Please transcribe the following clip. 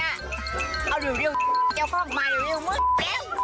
เอาเดี๋ยวเจ้าข้อออกมาเดี๋ยวมึงแก๊ง